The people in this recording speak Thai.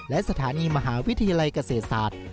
และสถานีมหาวิทยาลัยเกษตรศาสตร์